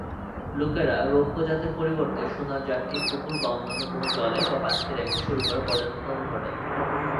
লোকেরা রৌপ্য জাতের পরিবর্তে সোনার জাতটি পুকুর বা অন্যান্য কোন জলে বা পানিতে রেখে শুরু করে প্রজনন ঘটানো।